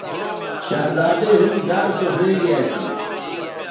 شہزادی ھم زر سو ھوینگے اسی